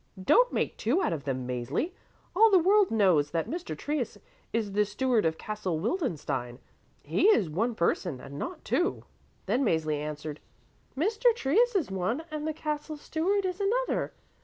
Don't make two out of them, Mäzli! All the world knows that Mr. Trius is the Steward of Castle Wildenstein; he is one person and not two." Then Mäzli answered, "Mr. Trius is one and the Castle Steward is another.